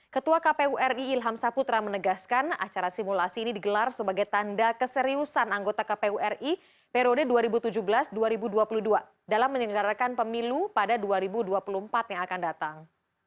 ketua kpu ri ilham saputra menegaskan acara simulasi ini digelar sebagai tanda keseriusan anggota kpu ri periode dua ribu tujuh belas dua ribu dua puluh dua dalam menyelenggarakan pemilu pada dua ribu dua puluh empat yang akan datang